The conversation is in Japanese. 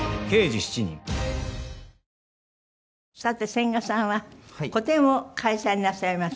千賀さんは個展を開催なさいます。